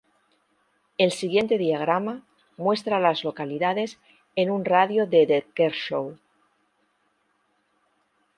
El siguiente diagrama muestra a las localidades en un radio de de Kershaw.